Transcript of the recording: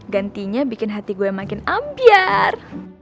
gantinya bikin hati gue makin ambiar